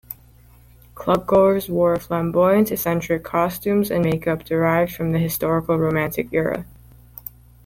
Club-goers wore flamboyant, eccentric costumes and make-up derived from the historical Romantic era.